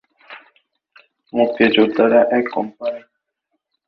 মুক্তিযোদ্ধারা এক কোম্পানি।